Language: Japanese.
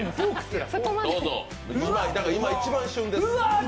今一番旬です。